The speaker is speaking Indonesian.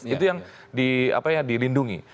itu yang dilindungi